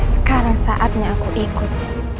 sekarang saatnya aku ikut